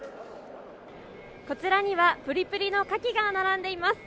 こちらには、ぷりぷりのカキが並んでいます。